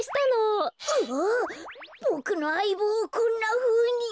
ボクのあいぼうをこんなふうに。